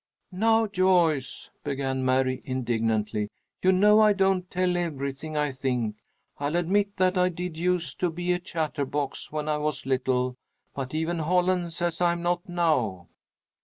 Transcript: "Now, Joyce," began Mary, indignantly, "you know I don't tell everything I think. I'll admit that I did use to be a chatterbox, when I was little, but even Holland says I'm not, now."